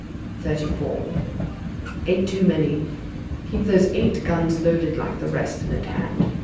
"Thirty four." "Eight too many. Keep those eight guns loaded like the rest and at hand.